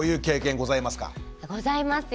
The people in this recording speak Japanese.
ございますよ